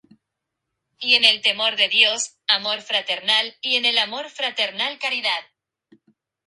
Y en el temor de Dios, amor fraternal, y en el amor fraternal caridad.